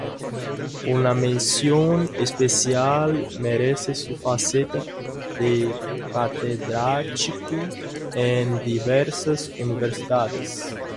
Una mención especial merece su faceta de catedrático en diversas universidades.